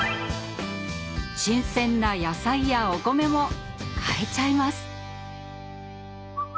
新鮮な野菜やお米も買えちゃいます。